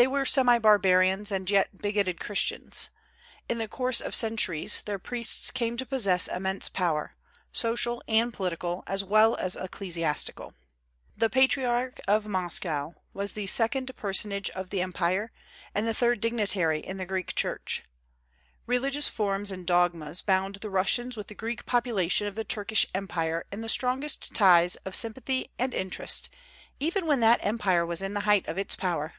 They were semi barbarians, and yet bigoted Christians. In the course of centuries their priests came to possess immense power, social and political, as well as ecclesiastical. The Patriarch of Moscow was the second personage of the empire, and the third dignitary in the Greek Church. Religious forms and dogmas bound the Russians with the Greek population of the Turkish empire in the strongest ties of sympathy and interest, even when that empire was in the height of its power.